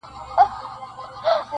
ښه دی ښه دی قاسم یار چي دېوانه دی,